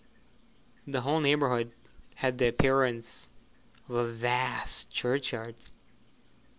The whole neighbourhood had the appearance of a vast churchyard.